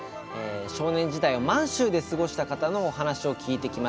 少年時代を満州で過ごした方のお話を聞いてきました。